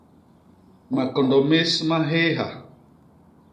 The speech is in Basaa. Makondo més ma nhééha.